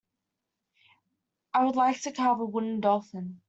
I would like to carve a wooden dolphin.